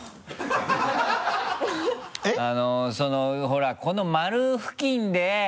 ほらこの丸付近で。